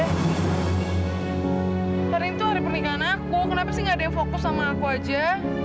kemarin itu hari pernikahan aku kenapa sih gak ada yang fokus sama aku aja